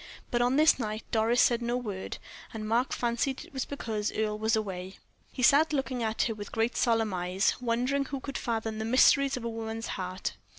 But on this night Doris said no word, and Mark fancied it was because Earle was away. He sat looking at her with great solemn eyes, wondering who could fathom the mysteries of a woman's heart.